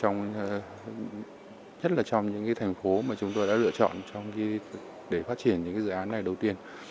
nhất là trong những thành phố mà chúng tôi đã lựa chọn để phát triển những dự án này đầu tiên